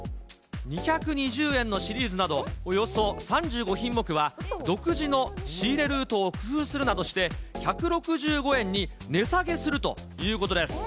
２２０円のシリーズなど、およそ３５品目は、独自の仕入れルートを工夫するなどして、１６５円に値下げするということです。